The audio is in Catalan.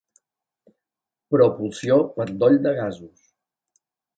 Propulsió per doll de gasos.